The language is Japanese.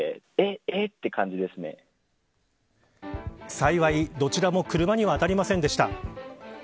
幸い、どちらも車には当たりませんでした。